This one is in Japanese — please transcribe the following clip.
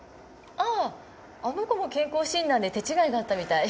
あぁあの子も健康診断で手違いがあったみたい。